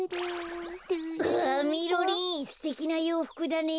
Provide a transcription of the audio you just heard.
みろりんすてきなようふくだね。